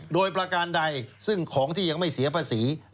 โดยประการใดซึ่งของที่ยังไม่เสียภาษี